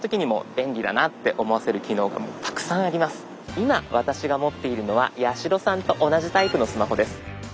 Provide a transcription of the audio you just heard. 今私が持っているのは八代さんと同じタイプのスマホです。